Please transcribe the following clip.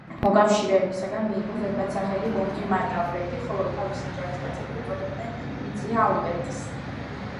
მოკავშირეებისგან მიიღო ზედმეტსახელი „მომღიმარი ალბერტი“, ხოლო თავისი ჯარისკაცები უწოდებდნენ „ბიძია ალბერტს“.